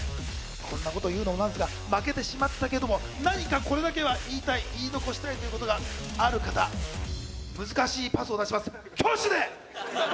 こんなことを言うのもなんですが負けてしまったけれども何かこれだけは言いたい言い残したいということがある方難しいパスを出します挙手で！